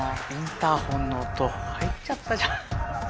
インターホンの音入っちゃったじゃん。